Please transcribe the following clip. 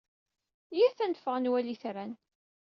Iyyat ad neffeɣ ad nwali itran.